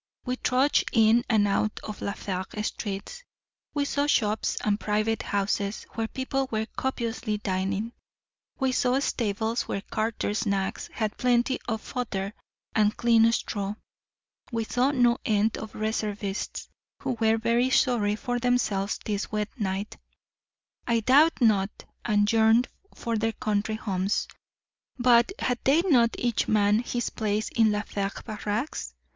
We trudged in and out of La Fère streets; we saw shops, and private houses where people were copiously dining; we saw stables where carters' nags had plenty of fodder and clean straw; we saw no end of reservists, who were very sorry for themselves this wet night, I doubt not, and yearned for their country homes; but had they not each man his place in La Fère barracks?